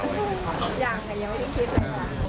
อยากแต่ยังไม่ได้คลิปเลยค่ะ